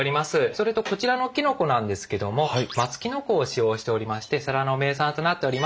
それとこちらのきのこなんですけども松きのこを使用しておりまして世羅の名産となっております。